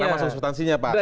sekarang masuk sustansinya pak